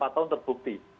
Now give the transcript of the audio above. empat tahun terbukti